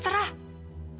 aku mau pergi